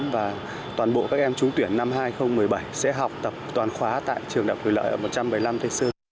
và toàn bộ các em trúng tuyển năm hai nghìn một mươi bảy sẽ học tập toàn khóa tại trường đại thủy lợi ở một trăm bảy mươi năm tây sơn